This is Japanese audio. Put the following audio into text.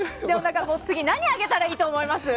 次、何上げたらいいと思います？